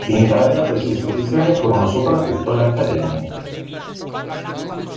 In Italia queste istituzioni furono soprattutto le accademie.